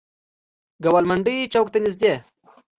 ګوالمنډۍ چوک ته نزدې.